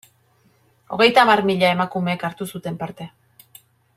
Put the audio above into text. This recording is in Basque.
Hogeita hamar mila emakumek hartu zuten parte.